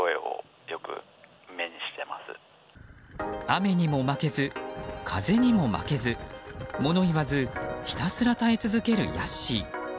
雨にも負けず風にも負けず物言わず、ひたすら耐え続けるヤッシー。